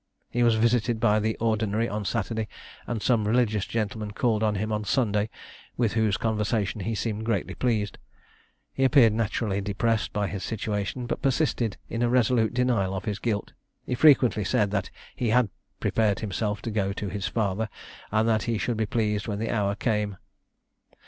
He was visited by the ordinary on Saturday, and some religious gentlemen called on him on Sunday, with whose conversation he seemed greatly pleased. He appeared naturally depressed by his situation; but persisted in a resolute denial of his guilt. He frequently said that he had prepared himself to go to his Father, and that he should be pleased when the hour came.